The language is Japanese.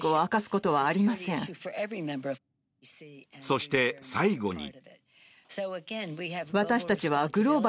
そして、最後に。